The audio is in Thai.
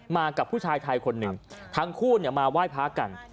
มากับผู้ชายไทยคนหนึ่งทั้งคู่มาไหว้พระกัน